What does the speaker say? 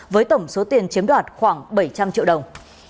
với tổng số tiền chiếm đoạt khoảng bảy trăm linh triệu đồng